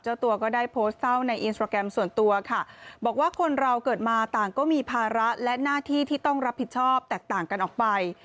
ตัวก็ได้โพสต์เศร้าในอินสตราแกรมส่วนตัวค่ะบอกว่าคนเราเกิดมาต่างก็มีภาระและหน้าที่ที่ต้องรับผิดชอบแตกต่างกันออกไป